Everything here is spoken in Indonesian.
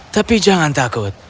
tapi jangan takut